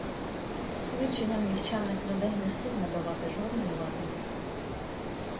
Свідченням нікчемних людей не слід надавати жодної ваги.